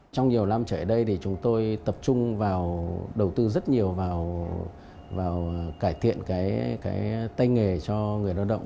trong nhiều năm trở lại đây thì chúng tôi tập trung vào đầu tư rất nhiều vào cải thiện cái tay nghề cho người lao động